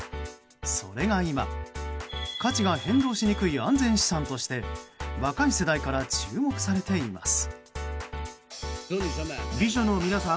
それが今、価値が変動しにくい安全資産として若い世代から注目されています。